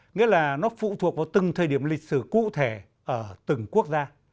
nghĩa là nó phụ thuộc vào từng thời điểm lịch sử cụ thể ở từng quốc gia